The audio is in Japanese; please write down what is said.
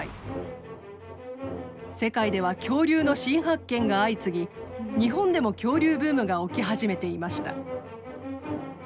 世界では恐竜の新発見が相次ぎ日本でも恐竜ブームが起き始めていました。